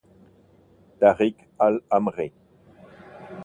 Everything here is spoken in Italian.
Tariq Al-Amri